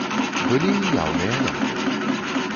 Былі і яўныя ляпы.